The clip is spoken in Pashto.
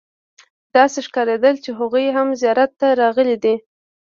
داسې ښکارېدل چې هغوی هم زیارت ته راغلي دي.